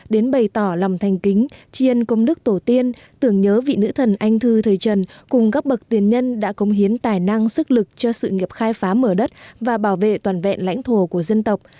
đến bày tỏ lòng thành kính tri ân công đức tổ tiên tưởng nhớ vị nữ thần anh thư thời trần cùng các bậc tiền nhân đã cống hiến tài năng sức lực cho sự nghiệp khai phá mở đất và bảo vệ toàn vẹn lãnh thổ của dân tộc